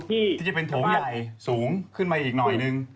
ที่จะเป็นโถงใหญ่สูงขึ้นมาอีกหน่อยนึง